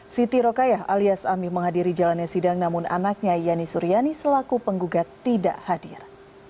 siti rokayah alias ami menghadiri jalannya sidang namun anaknya yani suryani selaku penggugat tidak hadir